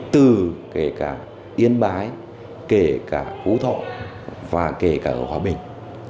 từ kể cả yên bái kể cả hữu thọ và kể cả hòa bình